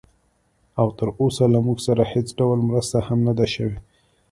او تراوسه له موږ سره هېڅ ډول مرسته هم نه ده شوې